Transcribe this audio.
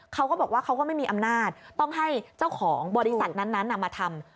เขาก็บอกว่าเขาก็ไม่มีอำนาจต้องให้เจ้าของบริษัทนั้นมาทำ